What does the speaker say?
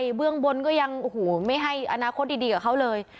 และเรื่องบ้นก็ยังไม่ให้อนาคตดีกับเขาเลย